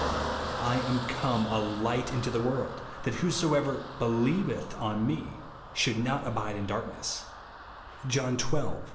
I am come a light into the world, that whosoever helieveth on me should not abide in darkness," (John xiL 46).